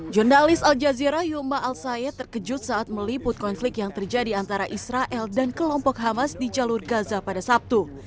jurnalis al jazeera yuma al sayed terkejut saat meliput konflik yang terjadi antara israel dan kelompok hamas di jalur gaza pada sabtu